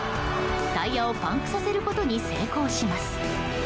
タイヤをパンクさせることに成功します。